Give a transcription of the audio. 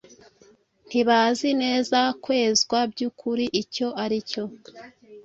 ntibazi neza kwezwa by’ukuri icyo ari cyo.